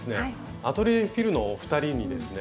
アトリエＦｉｌのお二人にですね